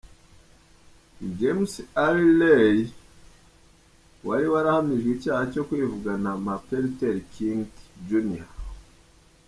James Earl Ray wari warahamijwe icyaha cyo kwivugana Martin Luther King Jr.